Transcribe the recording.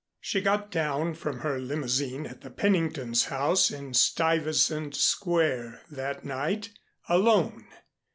She got down from her limousine at the Pennington's house in Stuyvesant Square that night alone.